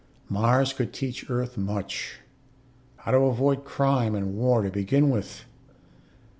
Mars could teach Earth much. How to avoid crime and war to begin with.